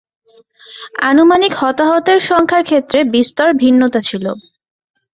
আনুমানিক হতাহতের সংখ্যার ক্ষেত্রে বিস্তর ভিন্নতা ছিল।